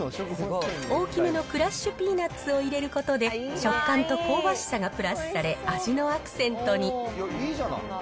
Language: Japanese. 大きめのクラッシュピーナッツを入れることで、食感と香ばしさがプラスされ、味のアクセントに。